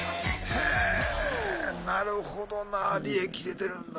へえなるほどな利益出てるんだ。